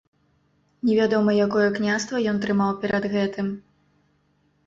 Невядома якое княства ён трымаў перад гэтым.